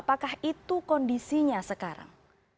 apakah kondisinya sekarang